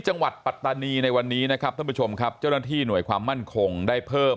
ปัตตานีในวันนี้นะครับท่านผู้ชมครับเจ้าหน้าที่หน่วยความมั่นคงได้เพิ่ม